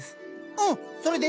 うんそれで？